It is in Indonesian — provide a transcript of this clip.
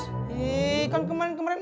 iiih kan kemarin kemarin